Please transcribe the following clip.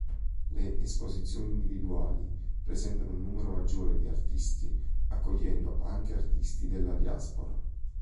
Le Esposizioni Individuali presentano un numero maggiore di artisti, accogliendo anche artisti della diaspora.